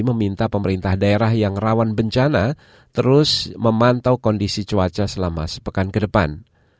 meminta pemerintah daerah yang rawan bencana terus memantau kondisi cuaca selama sepekan ke depan